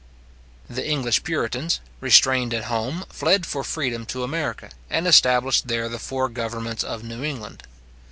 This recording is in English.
The English puritans, restrained at home, fled for freedom to America, and established there the four governments of New England.